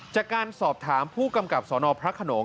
จากการสอบถามผู้กำกับสนพระขนง